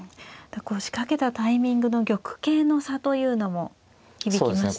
仕掛けたタイミングの玉形の差というのも響きましたね。